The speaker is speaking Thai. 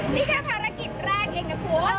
นี่แค่ภารกิจแรกเองนะคุณ